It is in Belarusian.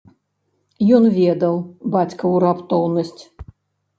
Ён ведаў бацькаву раптоўнасць.